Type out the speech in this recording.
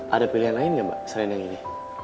ada pilihan lain gak mbak selain yang ini